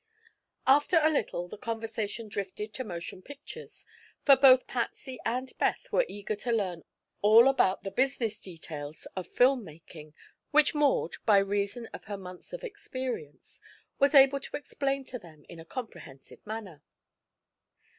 After a little the conversation drifted to motion pictures, for both Patsy and Beth were eager to learn all about the business details of film making, which Maud, by reason of her months of experience, was able to explain to them in a comprehensive manner.